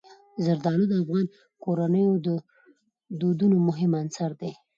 زردالو د افغان کورنیو د دودونو مهم عنصر دی.